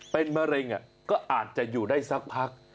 เป็นมะเร็งก็อาจจะอยู่ได้สักพัก